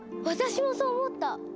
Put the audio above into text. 私もそう思った！